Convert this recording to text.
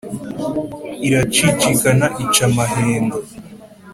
iracicikana ica amahendo